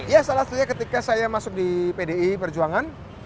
ya salah satunya ketika saya masuk di pdi perjuangan